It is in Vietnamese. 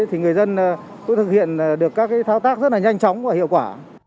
thì người dân tôi thực hiện được các thao tác rất là nhanh chóng và hiệu quả